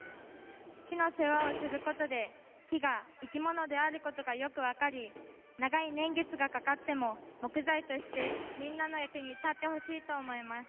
木の世話をすることで、木が生き物であることがよく分かり長い年月がかかっても木材として、みんなの役に立ってほしいと思います。